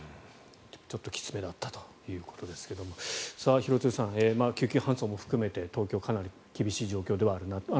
ちょっときつめだったということですが廣津留さん、救急搬送も含めて東京、かなり厳しい状況ではあるなと。